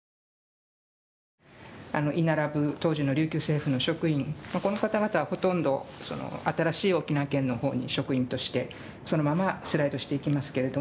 居並ぶ当時の琉球政府の職員この方々はほとんど新しい沖縄県のほうに職員としてそのままスライドしていきますけれども。